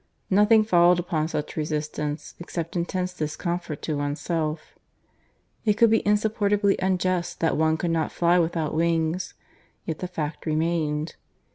Nothing followed upon such resistance except intense discomfort to oneself. It might be insupportably unjust that one could not fly without wings, yet the fact remained.